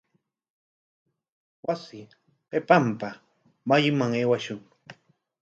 Wasi qipanpa mayuman aywashun.